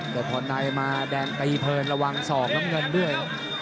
แต่พอในมาแดงตีเพลินระวังศอกน้ำเงินด้วย